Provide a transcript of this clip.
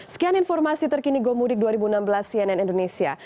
sekian informasi terkini gomudik dua ribu enam belas cnn indonesia